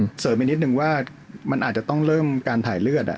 เสริมไปนิดนึงว่ามันอาจจะต้องเริ่มการถ่ายเลือด